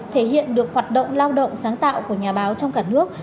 thể hiện được hoạt động lao động sáng tạo của nhà báo trong cả nước